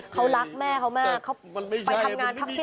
เขารักแม่เขามากเขาไปทำงานพักที่